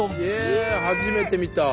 え初めて見た。